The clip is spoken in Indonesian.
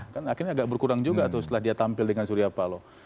kan akhirnya agak berkurang juga tuh setelah dia tampil dengan surya paloh